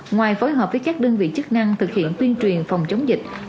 ngoài phối hợp với các đơn vị chức năng thực hiện tuyên truyền phòng chống dịch